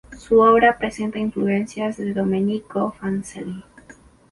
Su obra presenta influencias de Domenico Fancelli.